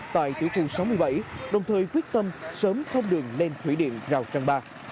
tại tiểu khu sáu mươi bảy đồng thời quyết tâm sớm không đường lên thủy điện rào trăng ba